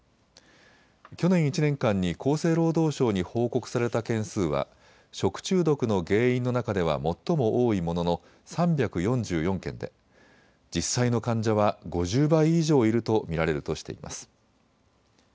去年１年間に厚生労働省に報告された件数は食中毒の原因の中では最も多いものの３４４件で、実際の患者は５０倍以上いると見られるとしています。